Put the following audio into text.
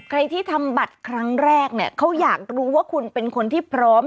ใครที่ทำบัตรครั้งแรกเนี่ยเขาอยากรู้ว่าคุณเป็นคนที่พร้อม